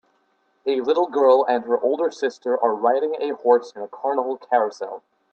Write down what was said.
A little girl and her older sister are riding a horse in a carnival carousel.